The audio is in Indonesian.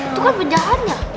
itu kan penjahatnya